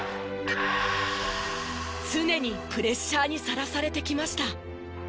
常にプレッシャーにさらされてきました。